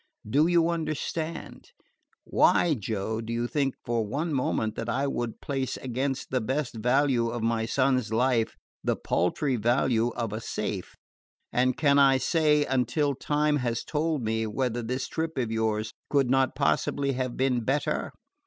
Do you understand? Why, Joe, do you think for one moment that I would place against the best value of my son's life the paltry value of a safe? And can I say, until time has told me, whether this trip of yours could not possibly have been better?